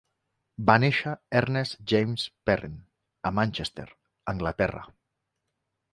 Va néixer "Ernest James Perrin" a Manchester, Anglaterra.